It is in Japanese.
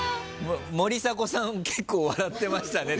森迫さん笑ってましたね。